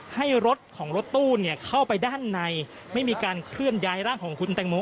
ให้รถของรถตู้เข้าไปด้านในไม่มีการเคลื่อนย้ายร่างของคุณแตงโม